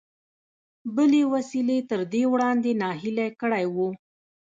بلې وسيلې تر دې وړاندې ناهيلی کړی و.